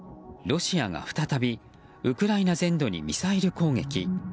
ロシアが再びウクライナ全土にミサイル攻撃。